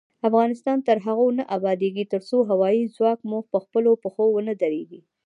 افغانستان تر هغو نه ابادیږي، ترڅو هوايي ځواک مو پخپلو پښو ونه دریږي.